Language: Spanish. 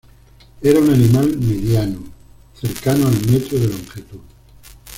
Era un animal mediano, cercano al metro de longitud.